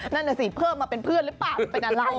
นั่นแหละสิเพิ่มมาเป็นเพื่อนหรือเปล่า